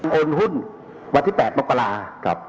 โดยอ่มหุ้นวันที่๘นปรากฎา